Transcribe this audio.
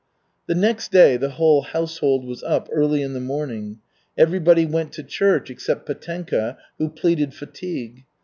The next day the whole household was up early in the morning. Everybody went to church except Petenka, who pleaded fatigue.